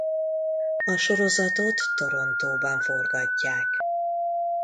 A sorozatot Torontóban forgatják.